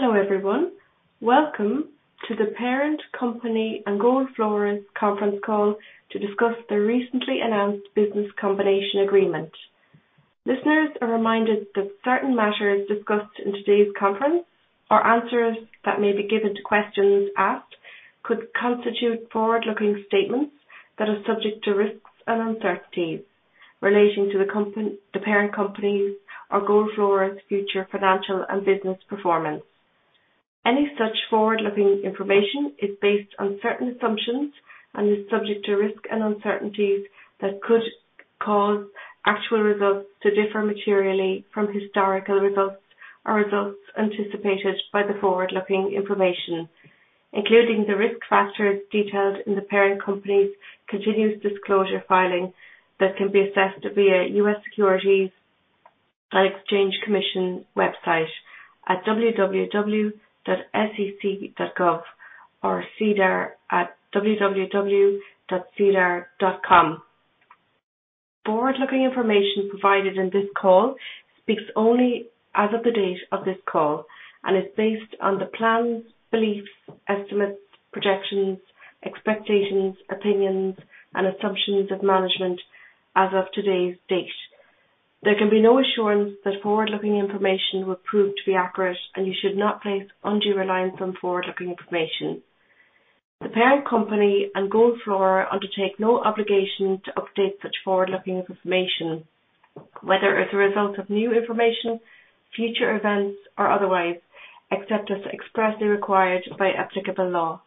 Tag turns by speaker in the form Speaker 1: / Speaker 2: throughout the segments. Speaker 1: Hello, everyone. Welcome to The Parent Company and Gold Flora's conference call to discuss the recently announced business combination agreement. Listeners are reminded that certain matters discussed in today's conference or answers that may be given to questions asked could constitute forward-looking statements that are subject to risks and uncertainties relating to the company, The Parent Company's, or Gold Flora's future financial and business performance. Any such forward-looking information is based on certain assumptions and is subject to risks and uncertainties that could cause actual results to differ materially from historical results or results anticipated by the forward-looking information, including the risk factors detailed in The Parent Company's continuous disclosure filing that can be assessed via U.S. Securities and Exchange Commission website at www.sec.gov or SEDAR at www.sedar.com. Forward-looking information provided in this call speaks only as of the date of this call and is based on the plans, beliefs, estimates, projections, expectations, opinions, and assumptions of management as of today's date. There can be no assurance that forward-looking information will prove to be accurate, and you should not place undue reliance on forward-looking information. The Parent Company and Gold Flora undertake no obligation to update such forward-looking information, whether as a result of new information, future events, or otherwise, except as expressly required by applicable law.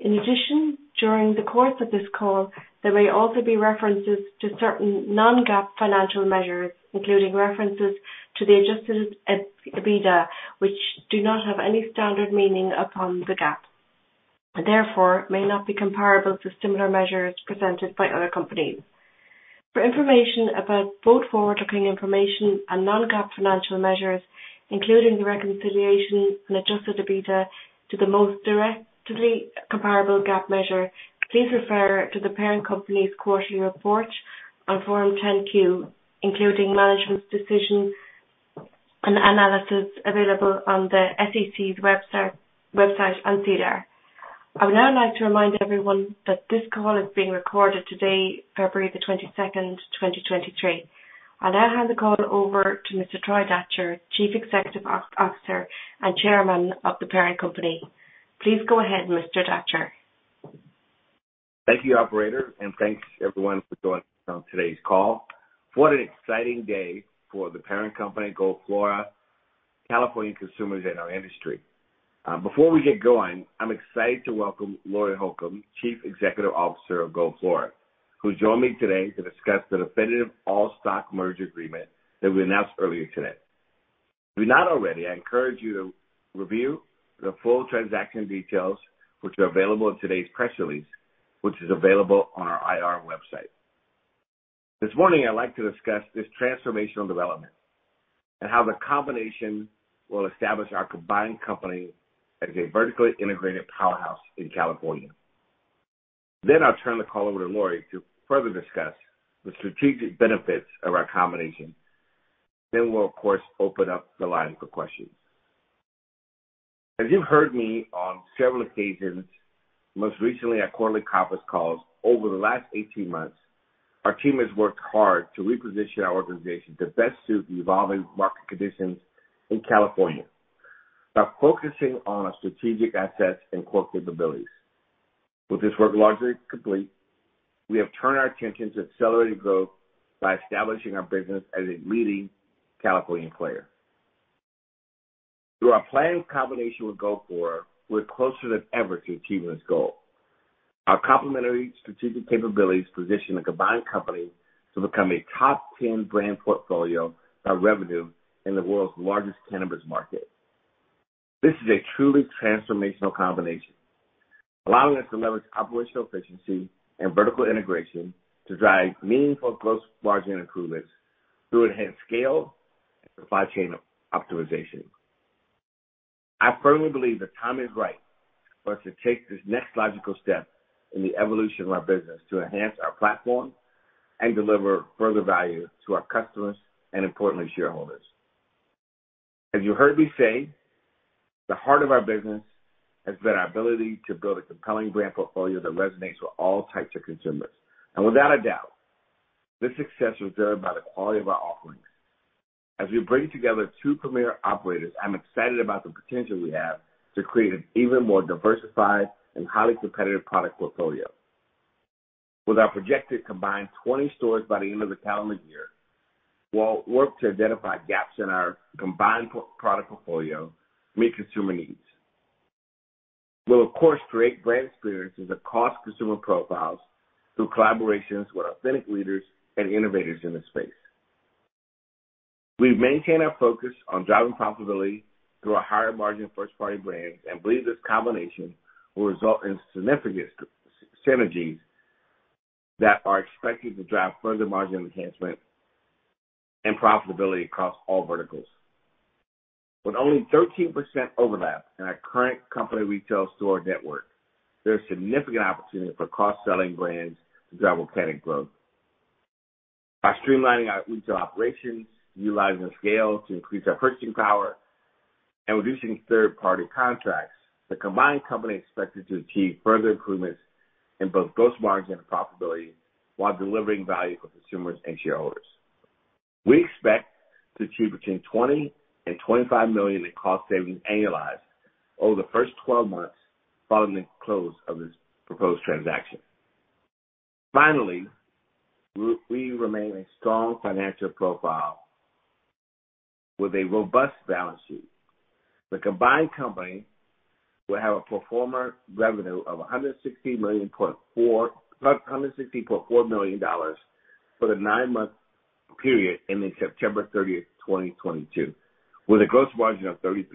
Speaker 1: In addition, during the course of this call, there may also be references to certain non-GAAP financial measures, including references to the Adjusted EBITDA, which do not have any standard meaning upon the GAAP, and therefore may not be comparable to similar measures presented by other companies. For information about both forward-looking information and non-GAAP financial measures, including the reconciliation and Adjusted EBITDA to the most directly comparable GAAP measure, please refer to The Parent Company's quarterly report on Form 10-Q, including management's decision and analysis available on the SEC's website and SEDAR. I would now like to remind everyone that this call is being recorded today, February 22, 2023. I'll now hand the call over to Mr. Troy Datcher, Chief Executive Officer and Chairman of The Parent Company. Please go ahead, Mr. Datcher.
Speaker 2: Thank you, operator, and thanks everyone for joining us on today's call. What an exciting day for The Parent Company, Gold Flora, California consumers in our industry. Before we get going, I'm excited to welcome Laurie Holcomb, Chief Executive Officer of Gold Flora, who's joined me today to discuss the definitive all-stock merger agreement that we announced earlier today. If you've not already, I encourage you to review the full transaction details which are available in today's press release, which is available on our IR website. This morning, I'd like to discuss this transformational development and how the combination will establish our combined company as a vertically integrated powerhouse in California. I'll turn the call over to Laurie to further discuss the strategic benefits of our combination. We'll of course open up the line for questions. As you've heard me on several occasions, most recently at quarterly conference calls, over the last 18 months, our team has worked hard to reposition our organization to best suit the evolving market conditions in California by focusing on our strategic assets and core capabilities. With this work largely complete, we have turned our attention to accelerating growth by establishing our business as a leading California player. Through our planned combination with Gold Flora, we're closer than ever to achieving this goal. Our complementary strategic capabilities position the combined company to become a top 10 brand portfolio by revenue in the world's largest cannabis market. This is a truly transformational combination, allowing us to leverage operational efficiency and vertical integration to drive meaningful gross margin improvements through enhanced scale and supply chain optimization. I firmly believe the time is right for us to take this next logical step in the evolution of our business to enhance our platform and deliver further value to our customers and, importantly, shareholders. As you heard me say, the heart of our business has been our ability to build a compelling brand portfolio that resonates with all types of consumers. Without a doubt, this success was driven by the quality of our offerings. As we bring together two premier operators, I'm excited about the potential we have to create an even more diversified and highly competitive product portfolio. With our projected combined 20 stores by the end of the calendar year, we'll work to identify gaps in our combined product portfolio to meet consumer needs. We'll of course create brand experiences across consumer profiles through collaborations with authentic leaders and innovators in this space. We've maintained our focus on driving profitability through our higher-margin first-party brands and believe this combination will result in significant synergies that are expected to drive further margin enhancement and profitability across all verticals. With only 13% overlap in our current company retail store network, there's significant opportunity for cross-selling brands to drive organic growth. By streamlining our retail operations, utilizing scale to increase our purchasing power, and reducing third-party contracts, the combined company is expected to achieve further improvements in both gross margin and profitability while delivering value for consumers and shareholders. We expect to achieve between $20 million and $25 million in cost savings annualized over the first 12 months following the close of this proposed transaction. Finally, we remain a strong financial profile with a robust balance sheet. The combined company will have a pro forma revenue of $160.4 million for the nine-month period ending September 30, 2022, with a gross margin of 33%.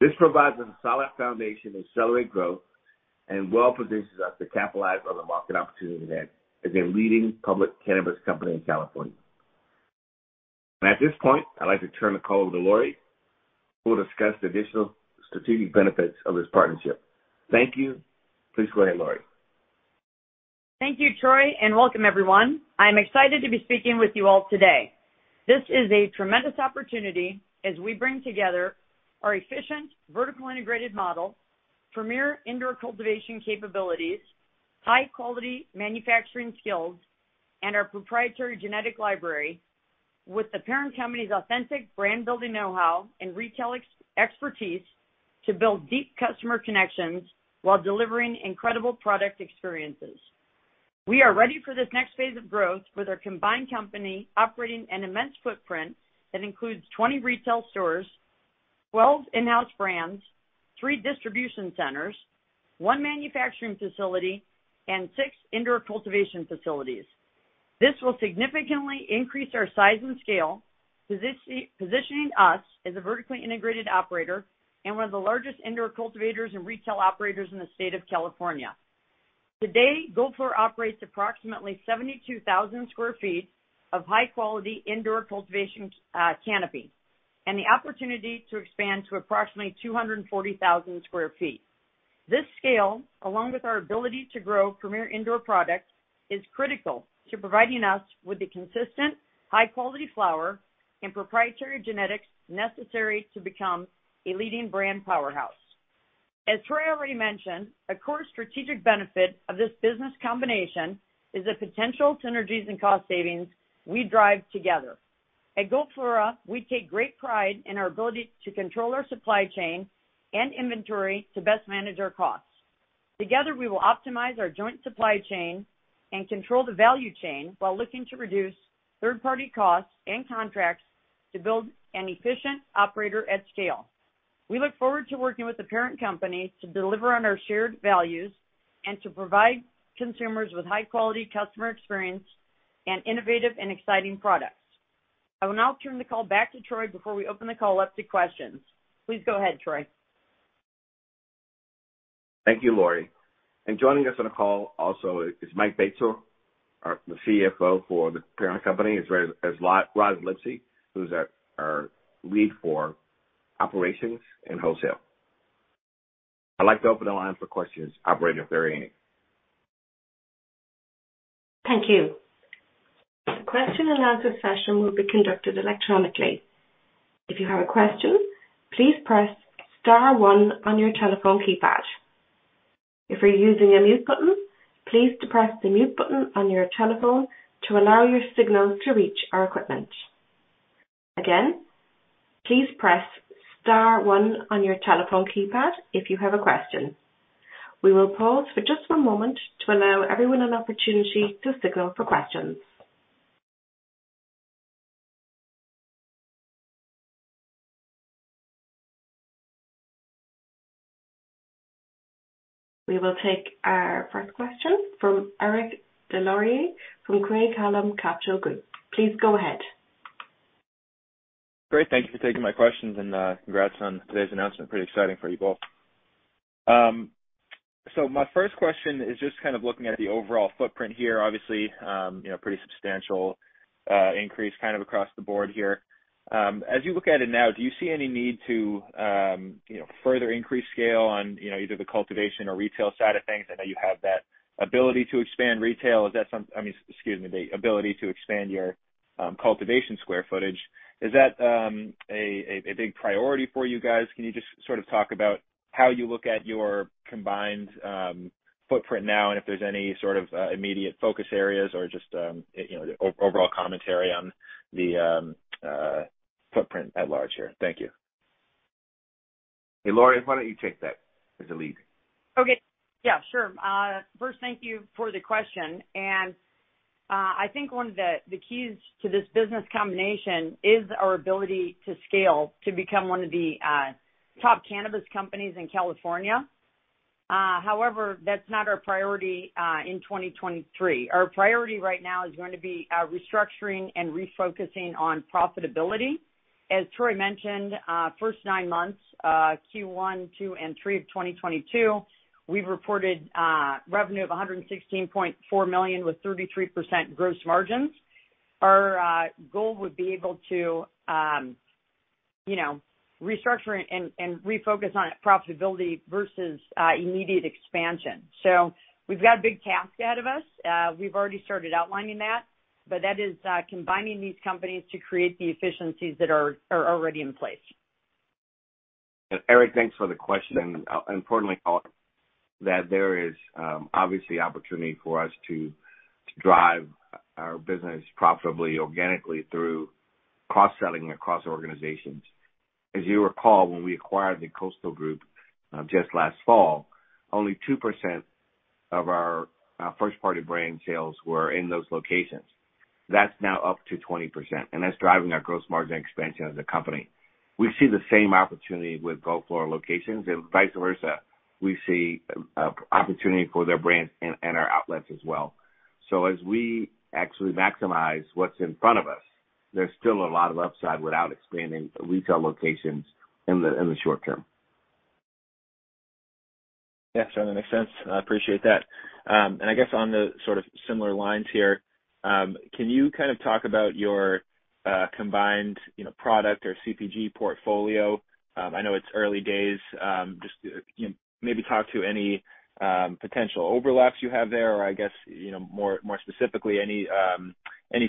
Speaker 2: This provides a solid foundation to accelerate growth and well-positions us to capitalize on the market opportunity as a leading public cannabis company in California. At this point, I'd like to turn the call over to Laurie, who will discuss the additional strategic benefits of this partnership. Thank you. Please go ahead, Laurie.
Speaker 3: Thank you, Troy. Welcome everyone. I'm excited to be speaking with you all today. This is a tremendous opportunity as we bring together our efficient vertical integrated model, premier indoor cultivation capabilities, high quality manufacturing skills, and our proprietary genetic library with The Parent Company's authentic brand-building know-how and retail expertise to build deep customer connections while delivering incredible product experiences. We are ready for this next phase of growth with our combined company operating an immense footprint that includes 20 retail stores, 12 in-house brands, three distribution centers, one manufacturing facility, and six indoor cultivation facilities. This will significantly increase our size and scale, positioning us as a vertically integrated operator and one of the largest indoor cultivators and retail operators in the state of California. Today, Gold Flora operates approximately 72,000 sq ft of high-quality indoor cultivation canopy, and the opportunity to expand to approximately 240,000 sq ft. This scale, along with our ability to grow premier indoor products, is critical to providing us with the consistent high-quality flower and proprietary genetics necessary to become a leading brand powerhouse. As Troy already mentioned, a core strategic benefit of this business combination is the potential synergies and cost savings we drive together. At Gold Flora, we take great pride in our ability to control our supply chain and inventory to best manage our costs. Together, we will optimize our joint supply chain and control the value chain while looking to reduce third-party costs and contracts to build an efficient operator at scale. We look forward to working with The Parent Company to deliver on our shared values and to provide consumers with high-quality customer experience and innovative and exciting products. I will now turn the call back to Troy before we open the call up to questions. Please go ahead, Troy.
Speaker 2: Thank you, Laurie. Joining us on the call also is Mike Batesole, the CFO for The Parent Company, as well as Roz Lipsey, who's our lead for operations and wholesale. I'd like to open the line for questions. Operator, if there are any.
Speaker 1: Thank you. The question and answer session will be conducted electronically. If you have a question, please press star one on your telephone keypad. If you're using a mute button, please depress the mute button on your telephone to allow your signal to reach our equipment. Again, please press star one on your telephone keypad if you have a question. We will pause for just one moment to allow everyone an opportunity to signal for questions. We will take our first question from Eric DesLauriers from Craig-Hallum Capital Group. Please go ahead.
Speaker 4: Great. Thank you for taking my questions. Congrats on today's announcement. Pretty exciting for you both. My first question is just kind of looking at the overall footprint here. Obviously, you know, pretty substantial increase kind of across the board here. As you look at it now, do you see any need to, you know, further increase scale on, you know, either the cultivation or retail side of things? I know you have that ability to expand retail. I mean, excuse me, the ability to expand your cultivation square footage. Is that a big priority for you guys? Can you just sort of talk about how you look at your combined footprint now and if there's any sort of immediate focus areas or just, you know, the overall commentary on the footprint at large here? Thank you.
Speaker 2: Hey, Laurie, why don't you take that as the lead?
Speaker 3: Okay. Yeah, sure. First, thank you for the question. I think one of the keys to this business combination is our ability to scale to become one of the top cannabis companies in California. However, that's not our priority in 2023. Our priority right now is going to be restructuring and refocusing on profitability. As Troy mentioned, first nine months, Q1, Q2, and Q3 of 2022, we've reported revenue of $116.4 million with 33% gross margins. Our goal would be able to, you know, restructure and refocus on profitability versus immediate expansion. We've got a big task ahead of us. We've already started outlining that, but that is combining these companies to create the efficiencies that are already in place.
Speaker 2: Eric, thanks for the question. Importantly, call that there is obviously opportunity for us to drive our business profitably, organically through cross-selling across organizations. As you recall, when we acquired the Coastal group just last fall, only 2% of our first party brand sales were in those locations. That's now up to 20%, and that's driving our gross margin expansion as a company. We see the same opportunity with Gold Flora locations and vice versa. We see opportunity for their brands and our outlets as well. As we actually maximize what's in front of us, there's still a lot of upside without expanding retail locations in the short term.
Speaker 4: Yes, that makes sense. I appreciate that. I guess on the sort of similar lines here, can you kind of talk about your combined, you know, product or CPG portfolio? I know it's early days. Just, you know, maybe talk to any potential overlaps you have there or I guess, you know, more specifically any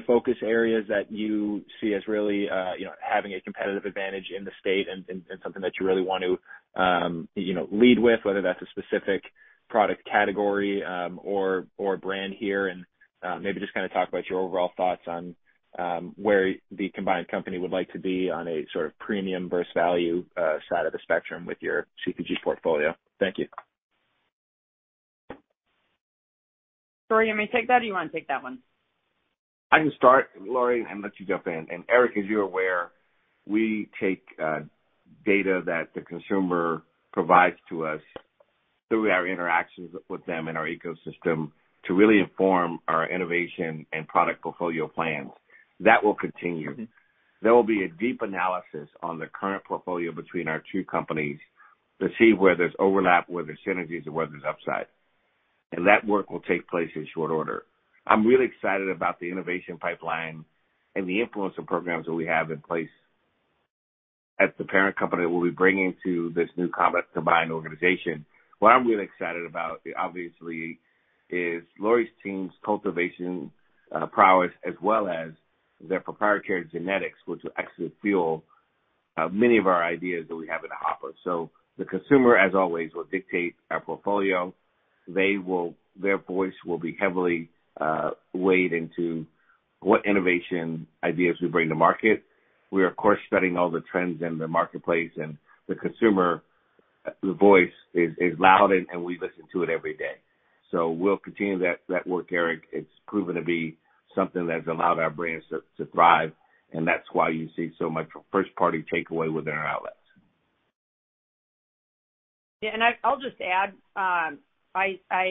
Speaker 4: focus areas that you see as really, you know, having a competitive advantage in the state and something that you really want to, you know, lead with, whether that's a specific product category, or brand here. Maybe just kinda talk about your overall thoughts on where the combined company would like to be on a sort of premium versus value side of the spectrum with your CPG portfolio. Thank you.
Speaker 3: Troy, you want me to take that or you wanna take that one?
Speaker 2: I can start, Laurie, and let you jump in. Eric, as you're aware, we take data that the consumer provides to us through our interactions with them in our ecosystem to really inform our innovation and product portfolio plans. That will continue.
Speaker 4: Mm-hmm.
Speaker 2: There will be a deep analysis on the current portfolio between our two companies to see where there's overlap, where there's synergies or where there's upside. That work will take place in short order. I'm really excited about the innovation pipeline and the influencer programs that we have in place at The Parent Company that we'll be bringing to this new combined organization. What I'm really excited about obviously is Laurie's team's cultivation prowess as well as their proprietary genetics, which will actually fuel many of our ideas that we have in the hopper. The consumer, as always, will dictate our portfolio. Their voice will be heavily weighed into what innovation ideas we bring to market. We are, of course, studying all the trends in the marketplace and the consumer. The voice is loud and we listen to it every day. We'll continue that work, Eric. It's proven to be something that's allowed our brands to thrive, and that's why you see so much first party takeaway within our outlets.
Speaker 3: Yeah. I'll just add, I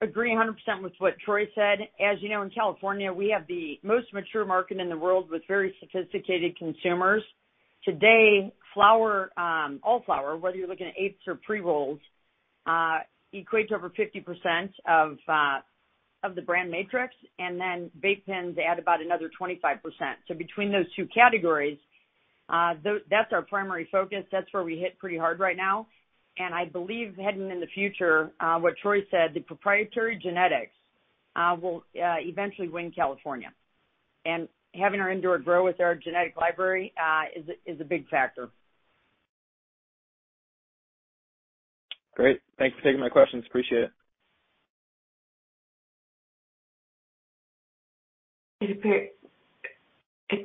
Speaker 3: agree 100% with what Troy said. As you know, in California, we have the most mature market in the world with very sophisticated consumers. Today, flower, all flower, whether you're looking at eighths or pre-rolls, equates over 50% of the brand matrix, and then vape pens add about another 25%. Between those two categories, that's our primary focus. That's where we hit pretty hard right now. I believe heading in the future, what Troy said, the proprietary genetics will eventually win California. Having our indoor grow with our genetic library is a big factor.
Speaker 4: Great. Thanks for taking my questions. Appreciate it.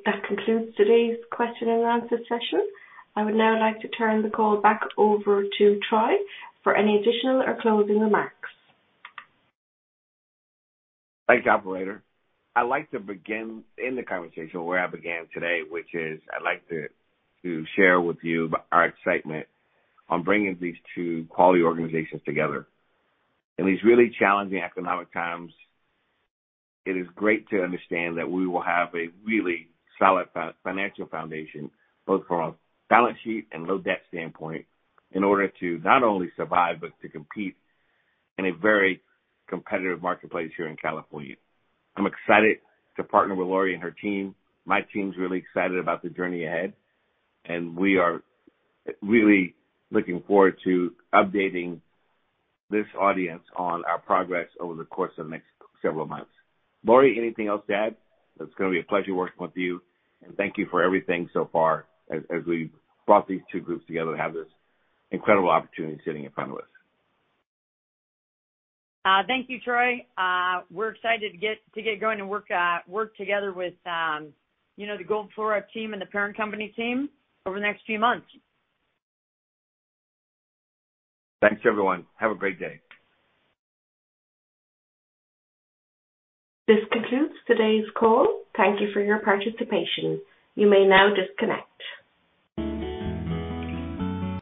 Speaker 1: That concludes today's question and answer session. I would now like to turn the call back over to Troy for any additional or closing remarks.
Speaker 2: Thanks, operator. I'd like to begin in the conversation where I began today, which is I'd like to share with you our excitement on bringing these two quality organizations together. In these really challenging economic times, it is great to understand that we will have a really solid financial foundation, both from a balance sheet and low debt standpoint, in order to not only survive but to compete in a very competitive marketplace here in California. I'm excited to partner with Lori and her team. My team's really excited about the journey ahead, and we are really looking forward to updating this audience on our progress over the course of the next several months. Laurie, anything else to add? It's gonna be a pleasure working with you. Thank you for everything so far as we've brought these two groups together to have this incredible opportunity sitting in front of us.
Speaker 3: Thank you, Troy. We're excited to get going and work together with, you know, the Gold Flora team and The Parent Company team over the next few months.
Speaker 2: Thanks, everyone. Have a great day.
Speaker 1: This concludes today's call. Thank you for your participation. You may now disconnect.